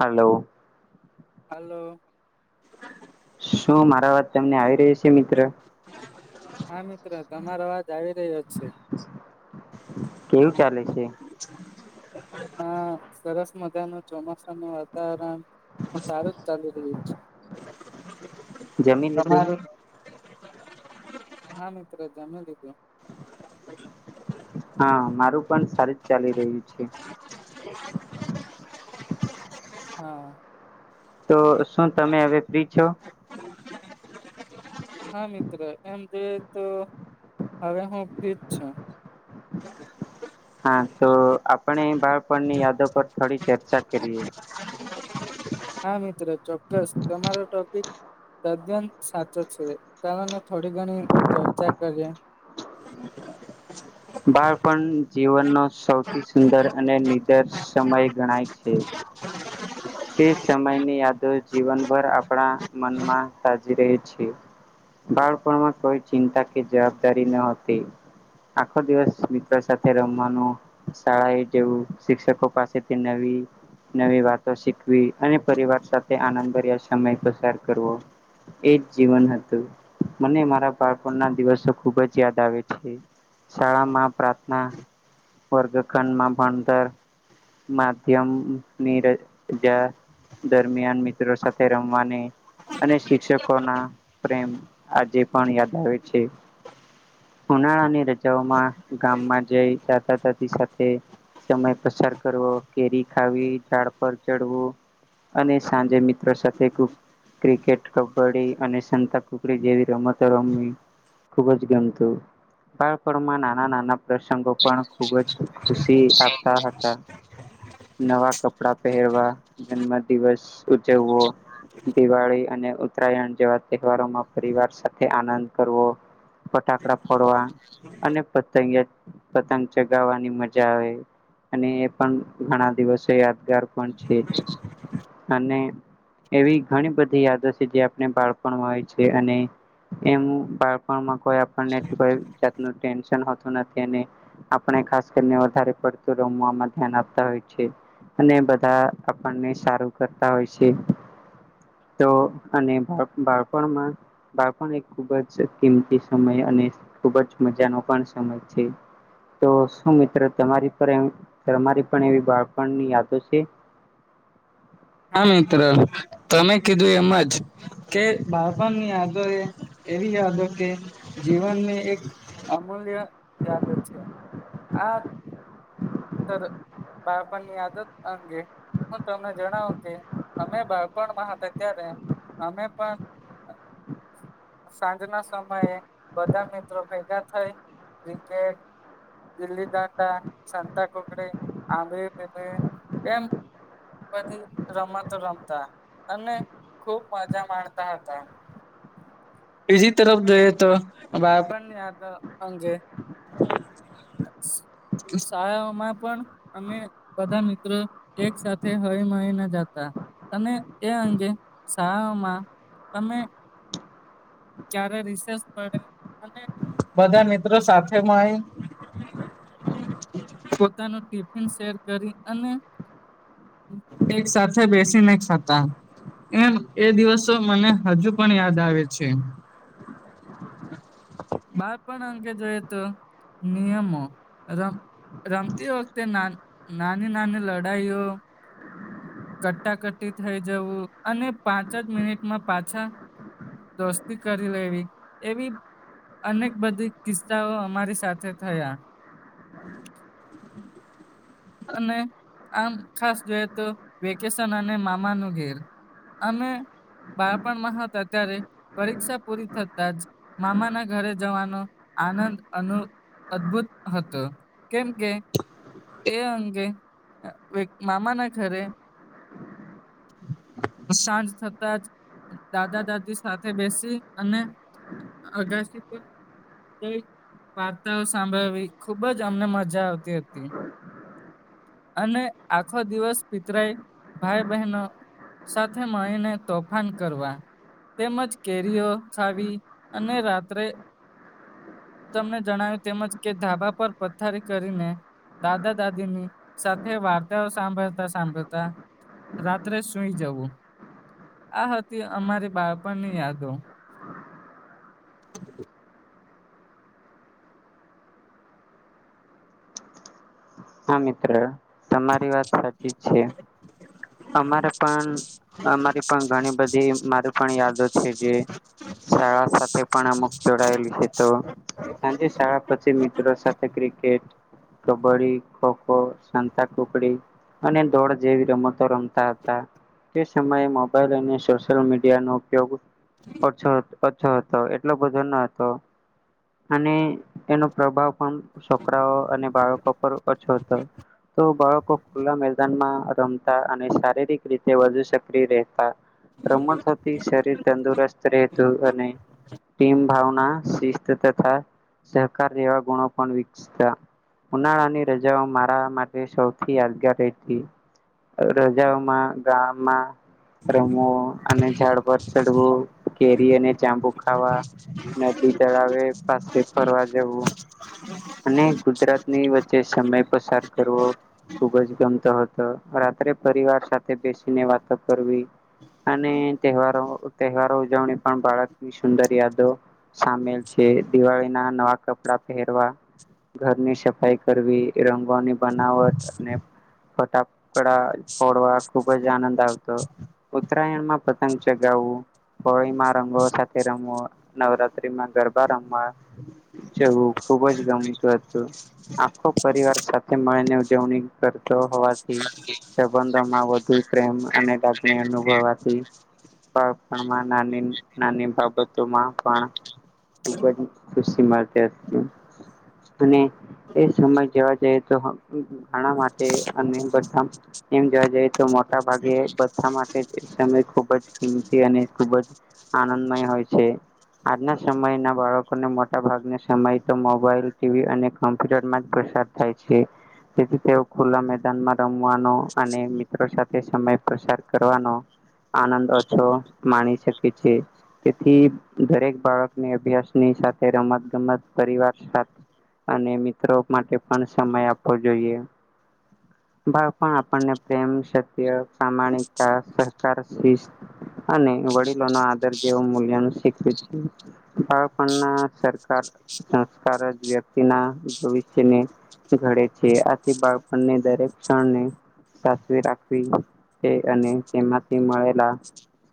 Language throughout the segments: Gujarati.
હેલો. હેલો. શું મારો અવાજ તમને આવી રહ્યો છે મિત્ર? હા મિત્ર તમારો અવાજ આવી રહ્યો છે. કેવું ચાલે છે? હા સરસ મજા નું ચોમાસા નું વાતાવરણ હ સારું જ ચાલુ રહ્યું છે. જમી લીધું તમારુ. હા મિત્ર જમી લીધું. હા મારું પણ સારી જ ચાલી રહ્યું છે. હા. તો શું તમે હવે ફ્રી છો? હા મિત્ર એમ તો તો હવે હું ફ્રી જ છું. હા તો આપણે બાળપણની યાદો પર થોડી ચર્ચા કરીએ. [inaudible] હા મિત્ર ચોક્કસ તમારો ટોપિક તદન સાચો છે તમને થોડી ઘણી ચર્ચા કરીએ. બાળપણ જીવનનો સૌથી સુંદર અને નિદર્ સમય ગણાય છે. તે સમયની યાદો જીવનભર આપણા મનમાં તાજી રહે છે. બાળપણમાં કોઈ ચિંતા કે જવાબદારી ન હતી. આખો દિવસ મિત્રો સાથે રમવાનું શાળા એ જવું, શિક્ષકો પાસેથી નવી નવી વાત તો શીખવી અને પરિવાર સાથે આનંદભર્યા સમય પસાર કરવો. એ જ જીવન હતું. મને મારા બાળપણના દિવસો ખુબ જ યાદ આવે છે. શાળા માં પ્રાર્થના વર્ગખંડ માં ભણતર, માધ્યમનીર જા દરમિયાન મિત્રો સાથે રમવાની અને શિક્ષકો ના પ્રેમ આજે પણ યાદ આવે છે. ઉનાળાની રજાઓમાં ગામમાં જઈ દાદા દાદી સાથે સમય પસાર કરવો, કેરી ખાવી, ઝાડ પર ચડવું. અને સાંજે મિત્રો સાથે કુ ક્રિકેટ, કબડ્ડી અને શનતા કુકડી જેવી રમતો રમી ખુબ જ ગમતી. બાળપણમાં નાના નાના પ્રસંગો પણ ખુબ જ ખુશી આપતા હતા. નવા કપડા પહેરવા, જન્મ દિવસ ઉજવવો દિવાળી અને ઉત્તરાયણ જેવા તહેવારોમાં પરિવાર સાથે આનંદ કરવો. પટાક ટકડા ફોડવા અને પતંગયા પતંગ ચગાવવાની મજા આવે. અને એ પણ ઘણા દિવસે યાદગાર પણ છે અને એવી ઘણી બધી યાદો છે જે આપણે બાળપણમાં હોય છે અને એમ બાળપણમાં કોઇ આપણને કોઈ જાતનું ટેન્શનતું નથી અને આપણે ખાસ કરીને વધારે પડતું રમવા મા ધ્યાન આપતા હોય છે. અને બધા આપણને સારું કરતા હોય છે. તો અને બાળપણમાં બાળપણ એક ખુબ જ કિંમતી સમય અને ખુબ જ મજા નો પણ સમય છે. તો શું મિત્ર તમારી પણ તમારી પણ એવી બાળપણની યાદો છે? હા મિત્ર, તમે કીધું એમ જ કે બાળપણ ની યાદો એ એવી યાદો કે જીવનની એક અમૂલ્ય યાદો છે. આ સર બાળપણની આદત અંગે હું તમને જણાવ કે અમે બાળપણમાં હતા ત્યારે અમે પણ સાંજના સમયે બધા મિત્રો ભેગા થઈ ક્રિકેટ, ગીલ્લી દાંડા સંતાકૂકડી, આંબલી પીપળી, એમ બધી રમત રમતા અને ખુબ મજા માણતા હતા. બીજી તરફ જોઈએ તો બાળપણની યાદો અંગે શાળાઓમાં પણ અમે બધા મિત્રો એક સાથે હળીમળી ને જતા અને એ અંગે શાયાઓમાં અમે ક્યારે રિસેસ પડે અને બધા મિત્રો સાથે મડી પોતાનું ટિફિન શેર કરી અને એક સાથે બેસી ને ખાતા. એમ એ દિવસો મને હજુ પણ યાદ આવે છે. બાળપણ અંગે જોઈએ તો નિયમો રમ રમતી વખતે ના નાની - નાની લડાઈઓ કટ્ટાકટ્ટટી થઈ જવું અને પાંચ જ મિનિટમાં પાછા દોસ્તી કરી લેવી એવી અનેક બધી કિસ્સાઓ અમારી સાથે થયા અને આમ ખાસ જોઈએ તો વેકેશન અને મામાનું ઘેર અમે બાળપણમાં હતા ત્યારે પરીક્ષા પૂરી થતાજ મામાના ઘરે જવાનો આનંદ અનુ અદભુત હતો કેમકે એ અંગે [unintelligible] મામાના ઘરે સાંજ થતાજ દાદા દાદી સાથ થે બેસી અને અગાસી પર જઈ વાર્તાઓ સાંભળવી ખુબજ અમને મજા આવતી હતી. અને આખો દિવસ પિતરાય ભાઈ બહેનો સાથે મળીને તોફાન કરવા તેમજ કેરીઓ ખાવી અને રાત્રે તમને જણાવ્યું તેમજ કે ધાબા પર પથારી કરીને દાદા દાદીની સાથે વાર્તાઓ સાંભળતા સાંભળતા રાત્રે સુઈ જવું. આ હતી અમારી બાળપણની યાદો. હા મિત્ર, તમારી વાત સાચી જ છે. અમારે પણ અમારી પણ ઘણી બધી મારી પણ યાદો છે જે શાળાઓ સાથે પણ અમુક જોડાયેલું છે. તો સાંજે શાળા પછી મિત્રો સાથે ક્રિકેટ, કબ્બડ્ડી, ખોખો, સંતા કુકડી અને દોડ જેવી રમતો રમતા હતા. તે સમયે મોબાઈલ અને સોશિયલ મીડિયાનો ઉપયોગ ઓછો હતો. ઓ્છો હતો એટલો બધો ન હતો અને એનો પ્રભાવ પણ છોકરાઓ અને બાળકો પર ઓછો હતો. તો બાળકો ખુલ્લા મેદાનમાં રમતા અને શારીરિક રીતે વધુ સક્રિય રહેતા. રમણથી શરીર તંદુરસ્ત રહેતું અને. ટીમ ભાવના શિસ્ત તથા સહકાર જેવા ગુણો પણ વિકતા. ઉનાળાની રજાઓ મારા માટે સૌથી યાદગાર ર હતી. રજાઓમાં ગામમાં રમવું અને ઝાડ પર ચડવું. કેરી અને જાંબુ ખાવા, નદી તળાવે પાસે ફરવા જવું. અને ગુજરાતની વચ્ચે સમય પસાર કરવો. ખુબ જ ગમતો હતો રાત્રે પરિવાર સાથે બેસીને વાતો કરવી. અને તહેવારો તહેવારો ઉજવણી પણ બાળકની સુંદર યાદો સામેલ છે દિવાળી ના નવા કપડા પહેરવા. ઘરની સફાઈ કરવી રંગોની બનાવટ અને ફટાકડા ફોડવા ખુબ જ આનંદ આવતો. ઉત્તરાયણમાં પતંગ ચગાવવું. હોળીમાં રંગો સાથે રમવા નવરાત્ર્રીમાં ગરબા રમવા. જવું ખુબ જ તું હતું, આખો પરિવાર સાથે મળીને ઉજવણી કરતો હોવાથી. સંબંધો માં વધુ પ્રેમ અને લાગણી અનુભવાથી. માં ના નાની બાબતોમાં પણ ખૂબ જ ખુશી મારતી. અને એ સમય જવા જઈએ તો ઘણા માટે અને બધા એમ જોવા જઈએ તો મોટા ભાગે બધા માટે સમય ખુબ જ કિંમતી અને ખૂબ જ આનંદમય હોય છે. આજના સમયના બાળકોને મોટા ભાગને સમય તો મોબાઈલ ટીવી અને કોમ્પ્યુટરમાં જ પસાર થાય છે. તેથી તેઓ ખુલ્લા મેદાનમાં રમવાનો અને મિત્રો સાથે સમય પ્રસાર કરવાનો. આનંદ ઓછો માણી શકે છે. તેથી દરેક બાળકની અભ્યાસની સાથે રમત ગમત પરિવાર અને મિત્રો માટે પણ સમય આપવો જોઈએ. ભાવ પણ આપણને પ્રેમ સત્ય પ્રમાણિકતા સહકાર શ અને વડીલો નો આદર જેવું મૂલ્યન શીખ્યું છે. બાળપણના સરકાર સંસ્કાર જ વ્યક્ત ના ભવિષ્યને ઘડે છે આથી બાળપણની દરેક ક્ષણને. સાચવી રાખવી તે, અને તેમાંથી મળેલા.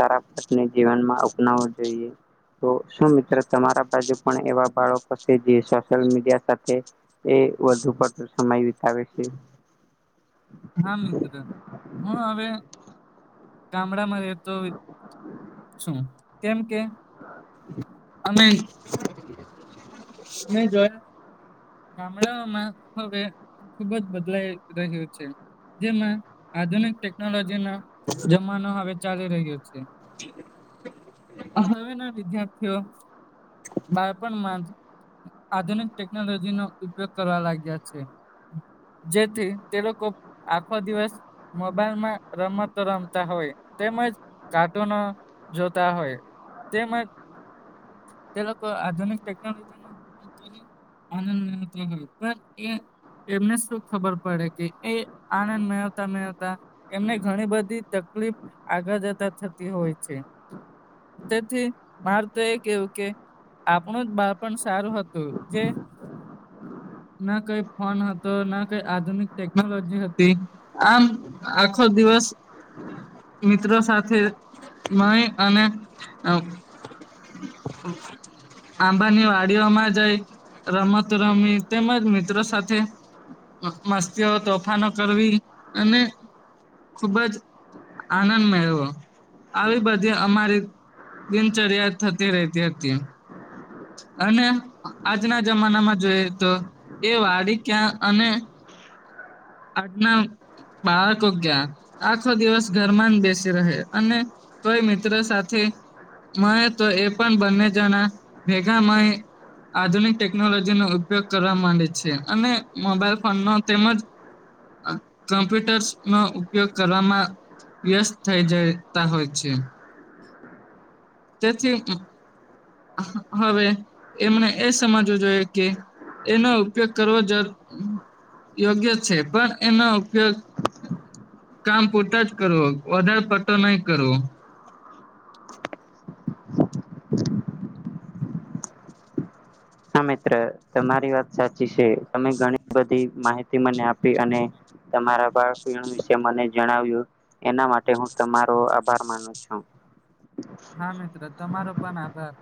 સારા પાને જીવનમાં અપનાવવું જોઈએ. તો શું મિત્ર તમારા બાજુ પણ એવા બાળકો હશે જે શોસિયલમીડિયા સાથે, એ વધુ પડતો સમય વિતાવે છે? હા મિત્ર હું હવે, ગામડામાં રહે શું કેમ કે, અમે. મે જોયા, ગામડાઓમાં હવે. ખુબ જ બદલાઈ રહ્યું છે. જેમાં આધુનિક ટેકનોલોજીના જમાનો હવે ચાલી રહ્યો છે. હવે ના વિદ્યાર્થીઓ, બાળપણ માં જ આધુનિક ટેકનોલોજી નો ઉપયોગ કરવા લાગ્યા છે. જેથી તે લોકો આખો દિવસ મોબાઈલમાં રમતો રમતા હોય તેમજ કાર્ટૂનો જોતા હોય, તેમજ તે લોકો આધુનિક ટેકનોલોજી નો ઉપયોગ કરી આનંદ લેતા હોય પણ એ એમને શું ખબર પડે કે એ આનંદ મેળવતા મેળવતા એમને ઘણી બધી તકલીફ આગળ જતા થતી હોય છે. તેથી માર તો એ કેવું કે આપણું જ બાળપણ સારું હત તું જે ના કઈ ફોન હતો, ના કઈ આધુનિક ટેકનોલોજી હતી. આમ આખો દિવસ મિત્રો સાથે મળી અને અ આંબાની વાડીઓમાં જાય રમતો રમવી તેમજ મિત્રો સાથે મસ્તીઓ, તોફાનો કરવી અને ખુબજ આનંદ મેળો આવી બધી અમારી દિનચર્યા થતી રહેતી હતી. અને આજના જમાના માં જોઈએ તો એ વાડી ક્યાં અને આજના બાળકો કયા આખો દિવસ ઘરમાં જ બેસી રહે અને કોઈ મિત્રો સાથે મળે તોય એ પણ બંને જણા ભેગા મળી ન આધુનિક ટેકનોલોજી નો ઉપયોગ કરવા માંડે છે અને મોબાઈલ ફોન મા તેમજ કમ્પ્યુટર્સ નો ઉપયોગ કરવામાં વ્યસ્ત થઈ જતા હોય છે. તેથી હવે એમને એ સમજવું જોઈએ કે એનો ઉપયોગ કરવો જ યોગ્ય છે, પણ એનો ઉપયોગ કામ પૂરતા જ કરવો, વધારે પડતો નહી કરવો. હા મિત્ર તમારી વાત સાચી છે તમે ઘણી બધી માહિતી મને આપી અને તમારા બાળપણ વિશે મને જણાવ્યું એના માટ હું તમારો આભાર માનું છું. હા મિત્ર તમારો પણ આભાર.